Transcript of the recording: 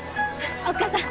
おっ母さん